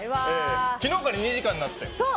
昨日から２時間になってね。